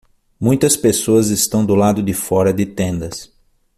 Muitas pessoas estão do lado de fora de tendas.